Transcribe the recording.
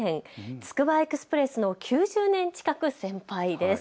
つくばエクスプレスの９０年近く先輩です。